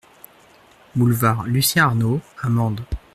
Boulevard Lucien Arnault à Mende